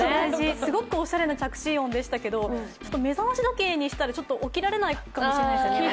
すごくおしゃれな着信音でしたけど目覚ましにしたらちょっと起きられないかもしれないですね。